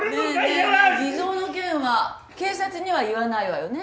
え偽造の件は警察には言わないわよね？